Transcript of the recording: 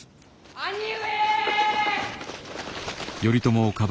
・兄上！